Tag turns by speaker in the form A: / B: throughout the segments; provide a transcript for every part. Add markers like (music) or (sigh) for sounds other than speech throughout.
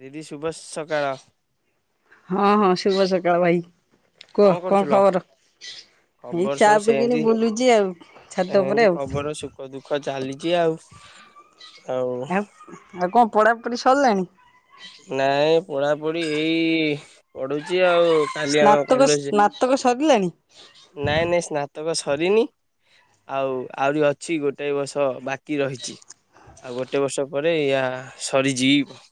A: ଦିଦି ଶୁଭ ସକାଳ
B: ହଁ ହଁ ଶୁଭ ସକାଳ ଭାଇ କୁହ କଣ ଖବର ଏଇ
A: ଖବର
B: ଚା
A: ସବୁ
B: ପିକିନି
A: ସେମିତି
B: ବୁଲୁଛି ଆଉ ଛାତ
A: ଏମିତି
B: ଉପରେ ଆଉ।
A: ଖବର ସୁଖ ଦୁଃଖ ଚାଲିଛି ଆଉ। ଆଉ
B: ଏ ଆ କଣ କୋଡ଼ାପି ସରିଲାଣି।
A: ନାଇଁ ପଢାପଢି ଏଇ ପଢୁଛି। ଆଉ କାଲି ଆମ
B: ସ୍ନାତକ
A: କଲେଜ
B: ସ୍ନାତକ ସରିଲାଣି।
A: ନାଇଁ ନାଇଁ ସ୍ନାତକ ସରିନି। ଆଉ ଆହୁରି ଅଛି ଗୋଟେ ବର୍ଷ ବା କି ରହିଛି। ଆଉ ଗୋଟେ ବର୍ଷ ପରେ ୟା ସରିଯିବ।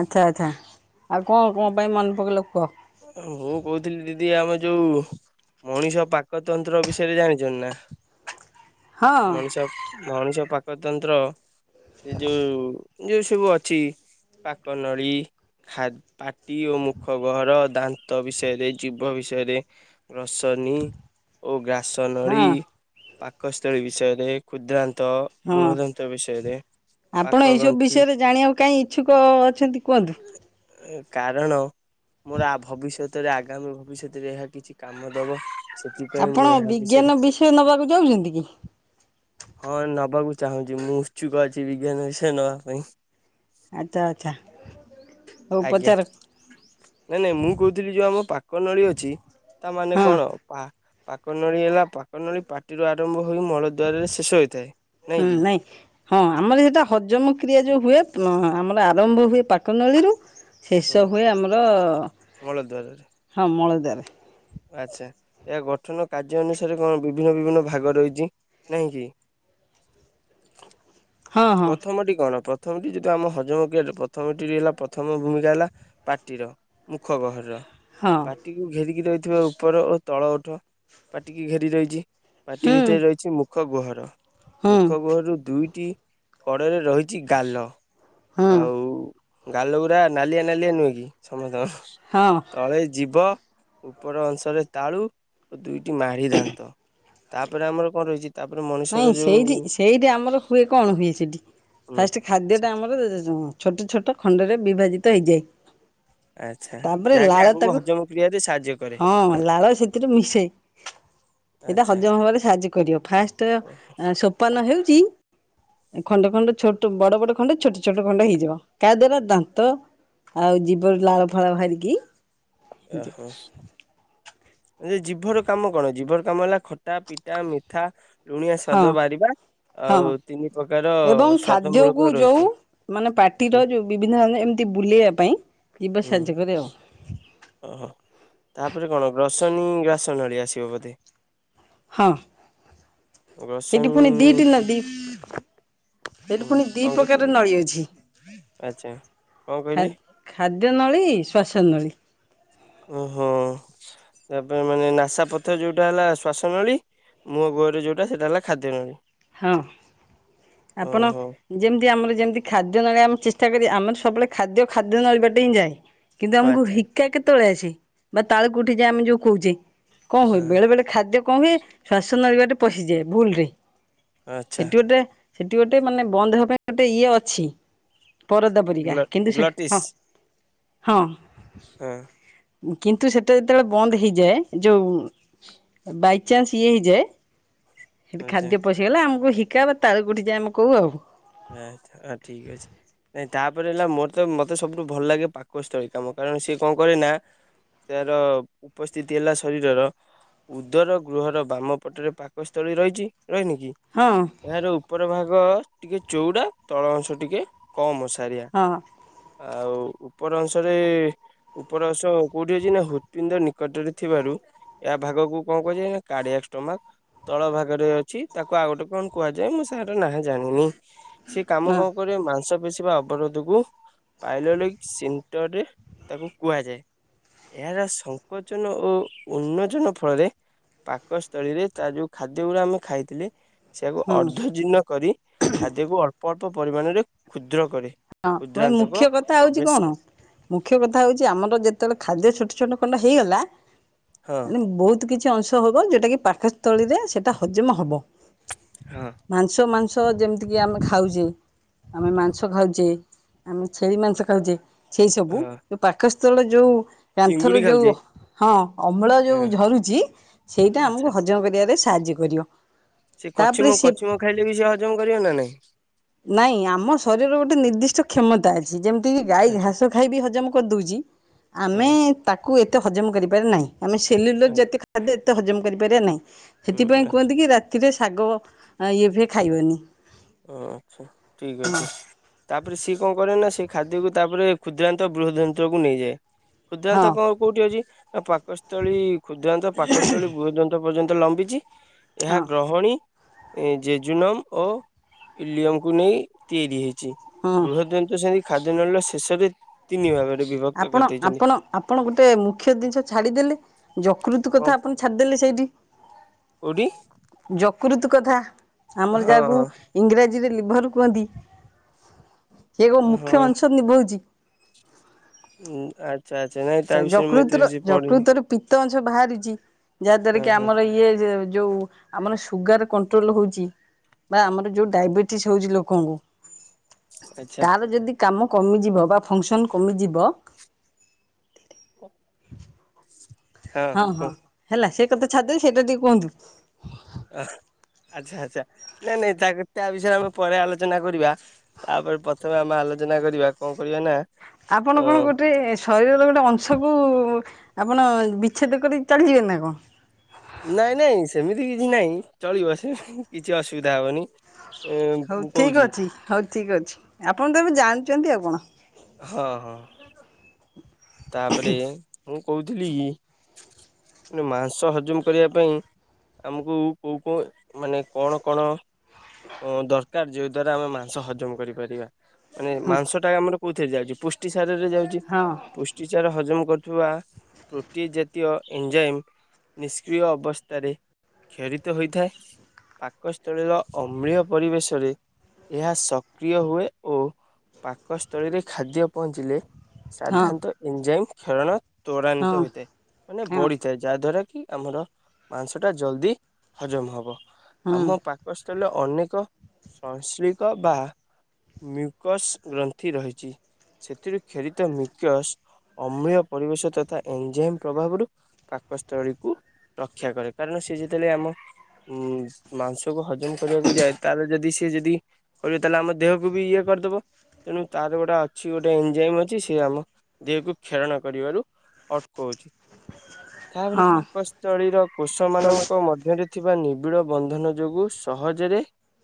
B: ଆଚ୍ଛା ଆଚ୍ଛା ଆଉ କଣ କଣ ପାଇଁ ମନେ ପକେଇ ଲୋକୁହ।
A: ମୁଁ କହୁଥିଲି ଦିଦି ଆମ ଯୋଉ ମଣିଷ ପାକ ତନ୍ତ୍ର ବିଷୟରେ ଜାଣିଛ ନା।
B: ହଁ
A: ମଣିଷ ମଣିଷ ପାକତନ୍ତ୍ର ସେ ଯୋଉ ଯୋଉ ସବୁ ଅଛି ପାକ ନଳୀ ଖା ପାଟି ଓ ମୁଖ ଘର ଦାନ୍ତ ବିଷୟରେ ଜୀଭ ବିଷୟରେ ରସନି ଓ ଗ୍ରାସ ନଳୀ
B: ହଁ
A: ପାଖ କସ ତଳେ ବିଷୟରେ ଖୁଦ୍ରନ୍ତ
B: ହଁ ଆପଣ
A: ପାକ
B: ଏଇସବୁ
A: ଗ୍ରନ୍ଥି
B: ବିଷୟରେ ଜାଣିବାକୁ କାଇହିଁ ଇଚ୍ଛୁକ ଅଛନ୍ତି କୁହନ୍ତୁ।
A: କାରଣ ମୋର ଆ ଭବିଷ୍ୟତରେ ଆଗାମୀ ଭବିଷ୍ୟତରେ ଏହା କିଛି କାମ ଦବ ସେଥିପାଇଁ ମୁଁ
B: ଆପଣ
A: ଏହା
B: ବିଜ୍ଞାନ ବିଷୟରେ ନେବାକୁ ଚାହୁଛନ୍ତି କି ।
A: ହଁ ନବାକୁ ଚାହୁଁଛି ମୁଁ ଉତ୍ସୁକ ଅଛି ବିଜ୍ଞାନ ବିଷୟ ନବା ପାଇଁ ।
B: ଆଚ୍ଛା ଆଚ୍ଛା ଆଉ ହଉ
A: ଆଜ୍ଞା।
B: ପଚାର।
A: ନାଇଁ ନାଇଁ ମୁଁ କହୁଥିଲି ଯୋଉ ଆମ ପାକ ନଳୀ ଅଛି ତା ମାନେ
B: ହଁ।
A: କଣ ପା । ପାକ ନଳି ହେଲା ପାକ ନଳି ପାଟିରୁ ଆରମ୍ଭ ।
B: ହୁଁ
A: କି
B: ନାଇଁ ହଁ ଆମର ସେଟା ହଜମ କ୍ରିୟା ଯୋଉ ହୁଏ । ହ ଆମର ଆରମ୍ଭ ହୁଏ ପାକ ନଳୀରୁ । ଶେଷ
A: ହୁଁ
B: ହୁଏ ଆମର ହଁ ମଳଦ୍ୱାର।
A: ଆଛା ଏହାୟ ଗଠନ କାର୍ଯ୍ୟ ଅନୁସାରେ କଣ ବିଭିନ୍ନ ବିଭିନ୍ନ ଭାଗ ରହିଛି ନାହିଁ କି।
B: ହଁ ହଁ
A: ପ୍ରଥମଟି କଣ ପ୍ର। ପ୍ରଥମଟି ଯେହତୁ ଆମ ହଜମ କ୍ରିୟାରେ ପ୍ରଥମଟି ହେଲା ପ୍ରଥମ ଭୂମିକା ହେଲା ପାଟିର ମୁଖ ଗହରର।
B: ହଁ
A: ପାଟିକୁ ଘେରିକି ରହି ଥିବା ଉପର ଓ ତଳ ଓଠ ପାଟିକି ଘେରି ରହିଛି । ପାଟି
B: ହୁଁ
A: ଭିତରେ ରହିଛି ମୁଁ। ମୁଖ ଗୁହର ।
B: ହୁଁ
A: ମୁଖ ଗୁହରରୁ ଦୁଇଟି କଡ଼ରେ ରହିଛି ଗାଲ ।
B: ହୁଁ
A: ଆଉ ଗାଲ ଗୁୁରା ନାଲିଆ ନାଲିଆ ନୁହେଁ କି ସମସ୍ତଙ୍କର।
B: ହଁ
A: ତଳେ ଯିବ ଉପର ଅଂଶରେ ତାଳୁ ଓ ଦୁଇ ମାଢ଼ି ଦାନ୍ତ । ତାପରେ ଆମର କଣ ରହିଛି ।
B: ନାଇଁ ସେଇଠି ସେଇଠି ଆମର ହୁଏ କଣ? କଣ ହୁଏ ସେଠି
A: ହୁଁ
B: ଫାଷ୍ଟ ଖାଦ୍ୟଟା ଆମର ଛୋଟ ଛୋଟ ଖଣ୍ଡରେ ବିଭାଜିତ ତ ଏ ଯ (inaudible)
A: ଆଚ୍ଛା
B: ତାପରେ
A: ଯାହାକି
B: ଲାଳ
A: ଆଗକୁ
B: ତାକୁ
A: ହଜମ କ୍ରିୟାରେ ସାହାଯ୍ୟ କରେ।
B: ହଁ ଲାଳ ସେଥିରୁ ମିଶେଇ ସେଇଟା
A: ଆଚ୍ଛା
B: ହଜମ ହବାରେ ସାହାଯ୍ୟ କରିବ ଫାଷ୍ଟ ତ ସୋପାନ ହେଉଛି, ଖଣ୍ଡ ଖଣ୍ଡ ଛୋଟ ବଡ ବଡ ଖଣ୍ଡେ ଛୋଟ ଛୋଟ ଖଣ୍ଡ ହେଇଯିବ କା ଦାର ଦାନ୍ତ ଆଉ ଜୀିବ ଲାଳ ଫାଳ ବାହାରିକି ଞ (inaudible)
A: ଓହୋ ଜିଭର କାମ କଣ ଜିଭ ର କାମ ହେଲା ଖଟା ପିଟା ମିଠା ଲୁଣିଆ
B: ହଁ
A: ସ୍ୱାଦ ବାରିବା
B: ହଁ
A: ଆଉ ତିନି ପ୍ରକାର
B: ଏବଂ
A: ସ୍ଵାଦ ମୂଳକ
B: ଖାଦ୍ୟକୁ ଯୋଉ
A: ରହିଛି
B: ମାନେ ପାଟିର
A: ହୁଁ
B: ଯୋଉ ବିଭିନ୍ନ ଏମିତି ବୁଲେଇବା ପାଇଁ ଜୀଭ
A: ହୁଁ
B: ସାହାଯ୍ୟ କରେ ଆଉ
A: ଓହୋ ତାପରେ କଣ ଗ୍ରହ ରସନୀ ଘାସ ନଳି ଆସିବ ବୋଧେ
B: ହଁ ସେଠି ପୁଣି
A: ଗ୍ରସନୀ
B: ଦିଟି ନ ଦି ସେଠି
A: ହୁଁ
B: ପୁଣି ଦି
A: କଣ କ
B: ପ୍ରକାର ନଳିୀ ଅଛି,
A: ଆଚ୍ଛା। କଣ
B: ଖା
A: କହିଲେ
B: ଖାଦ୍ୟ ନଳୀ ଶ୍ଵାସ ନଳୀ
A: ଓହୋ ତାପରେ ମାନେ ନାସା ପଥର ଯୋଉଟା ହେଲା ଶ୍ାସ ନଳୀ ମୁୋହ ଗୋରେ ଯୋଉଟା ସେଇଟା ହେଲା ଖାଦ୍ୟ ନଳୀ (inaudible)
B: ହଁ ଆପଣ
A: ଓହୋ
B: ଯେମିତି ଆମର ଯେମିତି ଖାଦ୍ୟ ନଳ ଆମେ ଚେଷ୍ଟା କରି ଆମର ସବୁବେଳେ ଖାଦ୍ୟ ଖାଦ୍ୟ ନଳିବାଟେ ହିଁ ଯାଏ କିନ୍ତୁ ଆମକୁ
A: ଆଚ୍ଛା
B: ହିକା କେତେବେଳେ ଆସସିଛି, ବା ତାଳକୁୋଠି ଯ ଆମେ ଯୋଉ କହୁଛେ, କଣ ହୁଏ
A: ହଁ
B: ବେଳେ ବଳେ ଖାଦ୍ୟ କଣ ହୁଏ ଶ୍ୱାସ ନରିବା ଟେ ପଶିଯାଏ ଭୁଲ ରେ
A: ଆଚ୍ଛା।
B: ସେଇତ ଏଟ ସେଠି ଗୋଟେ ମାନେ ବନ୍ଦ ହେବା ପାଇଁ ଗୋଟେ ଇଏ ଅଛି, ପରଦା
A: ଗ୍ଲ
B: ପରିକା କିନ୍ତୁ ସେ ହଁ ହଁ
A: ହେଁ
B: କିନ୍ତୁ ସେଟା ଯେତେବେଳେ ବନ୍ଦ ହେଇଯାଏ। ଯୋଉ ବାଇଚନ୍ସ ଇଏ ହେଇଯାଏ ସେଠି
A: ଆଚ୍ଛା
B: ଖାଦ୍ୟ ପଶିଗଲା ଆମକୁ ହିକା ବା ତାଳୁକୁ ଉଠି ଯାଏ ଆମକୁ କୁ ଆଉ
A: ଆଚ୍ଛା ଠିକ୍ ଅଛି। ନାଇଁ ତାପରେ ହେଲା ମୋର ତ ମୋତେ ସବୁଠୁ ଭଲ ଲାଗେ ପାକସ୍ଥଳୀ କାମ କାରଣ ସିଏ କଣ କରେ ନା ତାର ଉପସ୍ଥିତି ହେଲା ଶରୀରର ଉଦର ଗୃହର ବାମ ପଟରେ ପାକସ୍ଥଳୀ ରହିଛି। ରହିନି କି
B: ହଁ
A: ଏହାର ଉପର ଭାଗ ବର୍ ଟିକେ ଚଉଡ଼ା ତଳ ଅଂଶ ଟିକେ କମ୍ ଅଂଶ ଓସାରିଆ
B: ହଁ
A: ଆଉ ଉପର ଅଂଶରେ ଉପର ଅଂଶ କୋଉଠି ଅଛି ନା ହୃପିଣ୍ଡ ନିକଟରେ ଥିବାରୁ ଏହା ଭାଗକୁ କଣ କୁହାଯାଏ ନା କାଳିଆ ଷ୍ଟମାକ୍ ତଳ ଭାଗରେ ଅଛି ତାକୁ ଆଉ ଗୋଟେ କଣ କୁହାଯାଏ ମୁଁ ସହାର ନାଁ ଜାଣିନି (inaudible) ସେ କାମ
B: ହଁ
A: କଣ କରିବ ମାଂସ ବୁଝିବା ଅବରୋଧକୁ ପାଇଲୋଳିକ ସିଂଟରରେ ତାକୁ କୁହାଯାଏ। ଏହାର ସଂକଚନ ଓ ଉନ୍ମୋଜନ ଫଳରେ ପାକସ୍ଥଳୀରେ ତା ଯୋଉ ଖାଦ୍ୟ ଗୁଡା ଆମେ ଖାଇଥିଲେ ସେ ଆକୁ
B: ହଁ।
A: ଅର୍ଦ୍ଧଜିନ କରି ଖାଦ୍ୟକୁ ଅଳ୍ପ ଅଳ୍ପ ପରିମାଣରେ ଷୁଦ୍ର କରେ।
B: ହଁ ଭାଇ
A: କ୍ଷୁଦ୍ରାନ୍ତକ
B: ମୁଖ୍ୟ କଥା ହଉଛି
A: ପ୍ରବେଶ
B: କଣ ମୁଖ୍ୟ କଥା ହଉଛି ଆମର ଯେତେବେଳେ ଖାଦ୍ୟ ଛୋଟ ଛୋଟ ସମ୍ପୂର୍ଣ ହେଇଗଲା
A: ହଁ
B: ମାନେ ବହୁତ କିଛି ଅଂଶ ହବ ଯଉଟା କି ପାକସ୍ଥଳୀରେ ସେଇଟା ହଜମ ହବ।
A: ହଁ
B: ମାଂସ ମା ମାଛ ଯେମତିକି ଆମେ ଖାଉଛି ଆମେ ମାଂସ ଖାଉ ଯେ ଆମେ ଛେଳି ମାଂସ ଖାଉଛେ। ସେଇ ସବୁ ଯୋଉ ପାକସ୍ ସେଇଟା ଯୋଉ କାନ୍ଥରୁ
A: ଚିଙ୍ଗୁଡି
B: ଯୋଉ
A: ଖାଉଛେ
B: ହଁ ଅମ୍ଳ ଯୋଉ
A: ହଁ
B: ଝରୁଛି ସେଇଟା ଆମକୁ
A: ଆଚ୍ଛା
B: ହଜମ କରିବାରେ ସା ସାହାଯ୍ୟ କରିବ।
A: ସେ
B: ତାପରେ
A: କଛିମ
B: ସେ
A: କଛିମ ଖାଇଲେ ବି ସେ ହଜମ କରିବ ନା ନାହିଁ?
B: ନାଇଁ ଆମ ଶରୀରର ଗୋଟେ ନିର୍ଦ୍ଦିଷ୍ଟ କ୍ଷମତା ଯେ ଯେମିତି କି ଗାଈ
A: ଆଚ୍ଛା
B: ଘାସ ଖାଇବି ହଜମ କରିଦେଉଛି ଆମେ
A: ହୁଁ
B: ତାକୁ ଏତେ ତ ହଜମ କରିପାରେ ନାହିଁ। ଆମ ସିଲିଲୁ ଯତେ ଖାଇଲେ ତ ହଜମ କରିପରିବା ନାହିଁ।
A: ହୁଁ
B: ସେଥିପାଇଁ
A: ଆଚ୍ଛା
B: କୁହନ୍ତି କି ରାତିରେ ଶାଗ ଏବେ ଖାଇବନି।
A: ଓ ଆଚ୍ଛା ଠିକ ଅଛି ତାପରେ ସିଏ କଣ କରେ ନା ସେ ଖାଦ୍ୟକୁ ତାପରେ କ୍ଷୁଦ୍ରାନ୍ତ ବୃହ ଯନ୍ତ୍ରକୁ ନେଇଯାଏ।
B: ହଁ
A: କୁଦ୍ରାନ୍ତକ କୋଉଠି ଅଛି ଏ ପାକ ପାକସ୍ଥଳୀ ଖୁଦ୍ରାନ୍ତ ପାକସ୍ଥଳୀ ବୁହଦନ୍ତ ପର୍ଯ୍ୟନ୍ତ ତ ଲମ୍ବିଛି ଏହା
B: ହଁ
A: ଗ୍ରହଣୀ ଏ ଯେ ଜୁନମ ଓ ଇିଲୟମକୁ ନେଇ ତିଆରି ହେଇଛି। ଛି।
B: ହଁ
A: ବୃହ ଜ ସେ ଖାଦ୍ୟ ନଳୀ ର ଶେଷରେ ତିନି ଭାଗରେ ବିଭକ୍ତ
B: ଆପଣ
A: କରିଦେଇଛନ୍ତି
B: ଆପଣ ଆପଣ ଗୋଟେ ମୁଖ୍ୟ ଜିନିଷ ଛାଡିଦେଲେ ଯକୃତ
A: କଣ
B: କଥା ଆପଣ ଛାଡିଦେଲେ ସେଇଠି।
A: କୋଉଠି?
B: କୁୃତ କଥା। ଆମର
A: ହଁ
B: ଯାହାକୁ
A: ହଁ
B: ଇଂରାଜୀ ଯ ଲିଭର କୁହନ୍ତି। ସେଏ ଏକୋ
A: ହଁ
B: ମୁଖ୍ୟ ଅଂଶ ନିଭଉଛି।
A: ହୁଁ ଆ
B: ଆଛା ଯକୃତର ଯକୃତର ପିତ୍ ଅ ଛ ବାହାରିଛି। ଯାହାଦ୍ଵାରା
A: ହଁ
B: କି
A: ହଁ
B: ଆମର ଇଏ ଯଉ ଆମର ସୁଗାର କଣ୍ଟ୍ରୋଲ ହଉଛି ବା ଆମର ଯୋଉ ଡାଇବେଟିସ୍ ହଉଛି ଲୋକଙ୍କୁ
A: ଆଚ୍ଛା।
B: ତାର ଯଦି କାମ କମିଯିବ ବା ଫଁଙ୍କସନ୍ କମିଯିବ ହଁ ହଁ ହେଲା ସେ କତେ ଛାଦେ ସେଇଟା ଟିକେ କୁହନ୍ତୁ।
A: ଅ ଆଚ୍ଛା ଆଚ୍ଛା ନାଇଁ ନାଇଁ ତା ତା ବିଷୟରେ ଆମେ ପରେ ଆଲୋଚନା କରିବା ତାପରେ ପ୍ରଥମେ ଆମେ ଆଲୋଚନା କରିବା କଣ କରିବା ନା
B: ଆପଣ
A: ଅ
B: କଣ ଗୋଟେ ଶରୀରର ଗୋଟେ ଅଂଶକୁ ଆପଣ ବିଚ୍ଛେଦ କରି ଚାଲିଯିବେ ନା କଣ?
A: ନାଇଁ ନାଇଁ ସେମିତି କିଛି ନାଇଁ ଚଳିବ ସେ କିଛି ଅସୁବିଧା ହବନି। ଏଁ
B: ହଉ
A: ମୁଁ
B: ଠିକ
A: କହୁଛି
B: ଅଛି ହଉ ଠିକ ଅଛି ଆପଣ ତ ଏବେ ଜାଣୁ ଛନ୍ତି ଆଉ କଣ?
A: ହଁ ହଁ ତାପରେ ମୁଁ କହୁଥିଲି ମାଂସ ହଜମ କରିବା ପାଇଁ ଆମକୁ କେଉଁ କେଉଁ ମାନେ କଣ କଣ ହଁ ଦଶ ଯୋଉ ଦ୍ଵାରା ଆମେ ମାଂସ ହଜମ କରିପାରିବା। ମାନେ
B: ହଁ
A: ମାଂସଟା ଆମର କହୁ ଇ ଯାଉଛି ପୁଷ୍ଟି ସା ଯାଉଛି
B: ହଁ
A: ପୁଷ୍ଟିଚାର ହଜମ କରୁଥିବା ପ୍ରୋଟି ଜାତୀୟ ଏଞ୍ଜାଇମ୍ ନିଷ୍କ୍ରିୟ ଅବସ୍ଥାରେ କ୍ଷରିତ ହୋଇଥାଏ। ପାକସ୍ଥଳୀର ଅମ୍ଳୀୟ ପରିବେଶରେ ଏହା ସକ୍ରିୟ ହୁଏ ଓ ପାକସ୍ଥଳୀରେ ଖାଦ୍ୟ ପହଞ୍ଚିଲେ
B: ହଁ
A: ସାଧାରନ୍ତଃ ଏଞଜାଇଂ ଖେଳଣ ତ୍ୱରାନ୍ିତ
B: ହଁ
A: ହୋଇଥାଏ ମାନେ ବଢିଥାଏ ଯାହା ଦ୍ୱାରା କି ଆମର ମାଂସଟା ଜଲ୍ଦି ହଜମ ହେବ।
B: ହଁ
A: ଆମ ସ୍ ଅନେକ ସଶଳିକ ବା ମିକସ୍ ଗ୍ରନ୍ଥ ରହିଛି ସେଥିରୁ କ୍ଷରିତ ମିକସ୍ ଅମଳ ପରିବେଶ ତଥା ଏଞଜେମ୍ ପ୍ରଭାବରୁ ପାକସ୍ଥଳୀକୁ ରକ୍ଷା କରେ କାରଣ ସେ ଯେତେବେଳେ ଆମ ଉ ମାଂସ କୁ ହଜମ କରିବାକୁ ଯାଏ ତାାରଲେ ଯଦି ସିଏ ଯଦି କରିବ ତାହେଲେ ଆମ ଦେହକୁ ବି ଇଏ କରିଦବ ତେଣୁ ତାର ଗୋଟେ ଅଛି ଗୋଟେ ଏଞଜାଇମ ଅଛି ସେି ଆମ ଦେହକୁ ଖେଳଣ କରିବାରୁ ଅଟକଉଛି। ତାପରେ
B: ହଁ।
A: ପାକସ୍ଥଳୀର କୃଷ ମଙ୍କ ମଧ୍ୟରେ ଥିବା ନିବ ଳ ବନ୍ଧନ ଯୋଗୁଁ ସହଜରେ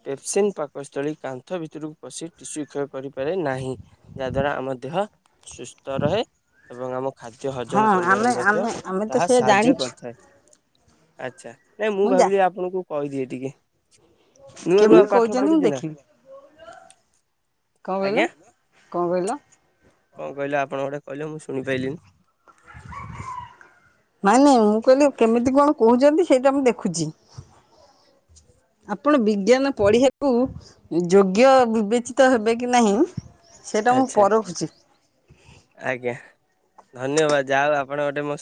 A: ପେପସିନ୍ ପାକସ୍ଥଳୀ କାନ୍ଥ ଭିତରକୁ ପଶି ଟିସୁ କ୍ଷୟ କରିପାରେ ନାହିଁ ଯାହାଦ୍ୱାରା ଆମ ଦେହ ସୁସ୍ଥ ରହେ ଏବଂ ଆମ ଖାଦ୍ୟ
B: ହଁ
A: ହଜମ କରିବାରେ
B: ଆମେ
A: ମଧ୍ୟ
B: ଆମେ ଆମେ ତ
A: ତାହା
B: ସେ
A: ସାହାଯ୍ୟ
B: ଜାଣିଛୁ
A: କରିଥାଏ। ଆଚଛା ଆଚଛା ନାଇଁ ମୁଁ ଭାବିଲି ଆପଣଙ୍କୁ କହିଦି ଗିକେ
B: କେମିତି କହୁଛନ୍ତି ମୁଁ ଦେଖିବି କଣ କହିଲ
A: ଆଜ୍ଞା
B: କଣ କହିଲ?
A: କଣ କହିଲେ ଆପଣ ଗୋଟେ କହିଲେ ମୁଁ ଶୁଣିପାରଲି।
B: ନାଇଁ ନାଇଁ ମୁଁ କହିଲି କେମିତି କଣ କହୁଛନ୍ତି ସେଇଟା ମୁଁ ଦେଖୁଛି। ଆପଣ ବିଜ୍ଞାନ ପଢିବାକୁ ଯୋଗ୍ୟ ବିବେଚିତ ହେବେ କି ନାହିଁ? ସେଇଟା ମୁଁ
A: ଆଚ୍ଛା
B: ପରଖୁଛି।
A: ଆଜ୍ଞା ଧନ୍ୟବାଦ ଯାଅ ଆପଣ ଗୋଟେ ମୋ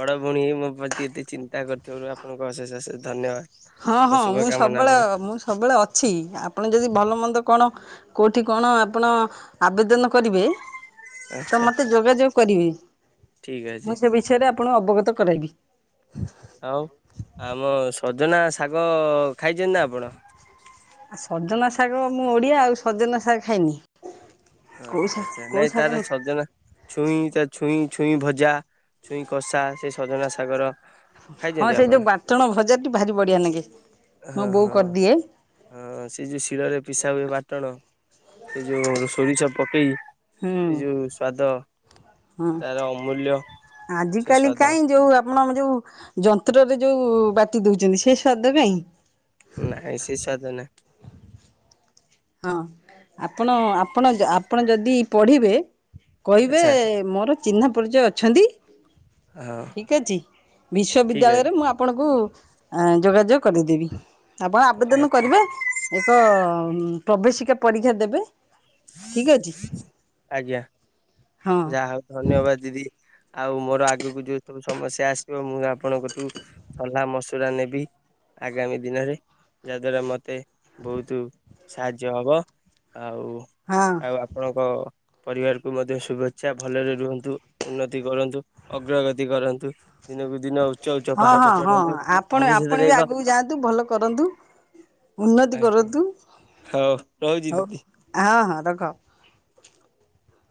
A: ବଡ ଭଉଣୀ ମୋ ପ୍ରତି ଏତେ ଚିନ୍ତା କରିୁଥିବାରୁ ଆପଣଙ୍କୁ ଅଶେଷ ଅଶେଷ ଧନ୍ୟବାଦ
B: ହଁ
A: ମୋ
B: ହଁ ମୁଁ
A: ଶୁଭକାମନା
B: ସବୁବେଳେ
A: ପାଇଁ
B: ମୁଁ ସବୁବେଳେ ଅଛି ଆପଣ ଯଦି ଭଲ ମନ୍ଦ କଣ କୋଉଠି କଣ ଆପଣ ଆବେଦନ କରିବେ ତ
A: ଆଚ୍ଛା
B: ମତେ ଯୋଗାଯୋଗ କରିବି
A: ଠିକ ଅଛି
B: ମୁଁ ସେ ବିଷୟରେ ଆପଣ ଅବଗତ କରାଇବି।
A: ହଉ ଆମ ସଜନା ଶାଗ ଖାଇଛନ୍ତି ନା ଆପଣ।
B: ଆଉ ସଜନା ଶାଗ ମୁଁ ଓଡ଼ିଆ ଆଉ ସଜନା ଶାଗ ଖାଇନି।
A: ହ
B: କୋଉ ଶା
A: ଆଛା
B: କୋଉ
A: ନାଇଁ
B: ଶାଗ
A: ତାର ସଛଜନ ଛୁଇଁ ତ ଛୁଇଁ ଛୁଇଁ ଭଜା ଛୁଇଁ କଷା ସେ ସଜନା ସାଗର
B: ହଁ ସେଇ ଯୋଉ ବାଟଣ ଭଜା ଭାରି ବଢିଆ ଲାଗେ ମୁଁ
A: ହଁ
B: ବୋଉ
A: ହଁ
B: କରିଦିଏ।
A: ସେଇ ଯୋଉ (inaudible) ସ ପକାଇ
B: ହୁଁ ହୁଁ
A: ତାର ଅମୂଲ୍ୟ ସେ
B: ଆଜିିକାଲି
A: ସ୍ଵାଦ
B: କହିଁ ଯୋଉ ଆପଣ ଯୋଉ ଯନ୍ତ୍ରରେ ଯୋଉ ବାଟି ଦଉଛନ୍ତି ସେ ସ୍ଵାଦ କାଇଁ।
A: ନାଇଁ ସେ ସାଧନ
B: ହଁ ଆପଣ ଆପଣ ଆପଣ ଯଦି ପଢିବେ କହିବେ
A: ଆଚ୍ଛା
B: ମୋର ଚିହ୍ନା ପରିଚୟ ଅଛନ୍ତି।
A: ହଁ
B: ଠିକ ଅଛି
A: ଠିକ
B: ବିଶ୍ୱବିଦ୍ୟାଳୟରେ ମୁଁ ଆପଣଙ୍କୁ ଆ ଯୋଗାଯୋଗ କରିଦେବି। ଆପଣ
A: ଅଛି
B: ଆବେଦନ
A: ଆଚ୍ଛା
B: କରିବେ ଏକ ପ୍ରବେଶିକା ପରୀକ୍ଷା ଦେବେ। ଠିକ୍ ଅଛି
A: ଆଜ୍ଞା।
B: ହଁ
A: ଯାହା ହଉ ଧନ୍ୟବାଦ ଦିଦି। ଆଉ ମୋର ଆଗକୁ ଯୋଉ ସବୁ ସମସ୍ୟା ଆସିବ, ମୁଁ ଆପଣଙ୍କଠୁ ସଲାହ ମସୁରା ନେବି, ଆଗାମୀ ଦିନରେ ଯାହା ଦ୍ଵାରା ମତେ ବହୁତୁ ସାହାଯ୍ୟ ହବ। ଆଉ
B: ହଁ
A: ଆଉ ଆପଣଙ୍କ ପରିବାରକୁ ମଧ୍ୟ ଶୁଭେ ଚ୍ଛା ଭଲରେ ରୁହନ୍ତୁ, ଉନ୍ନତି କରନ୍ତୁ ଅଗ୍ରଗତି କରନ୍ତୁ। ଦିନକୁ ଦିନ ଉଚ୍ଚ ଉଚ୍ଚ
B: ହଁ
A: ପାହାଚ
B: ହଁ ହଁ
A: ଚଢନ୍ତୁ
B: ଆପଣ ଆପଣ
A: ଭବିଷ୍ୟତରେ
B: ବି
A: ଏକ
B: ଆଗକୁ ଯାଆନ୍ତୁ, ଭଲ କରନ୍ତୁ ଉନ୍ନତି କରନ୍ତୁ,
A: ହଉ ରହୁଛି
B: ହଉ
A: ଦିଦି।
B: ହଁ ହଁ ରଖ।